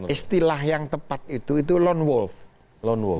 istilah yang tepat itu itu lone wolf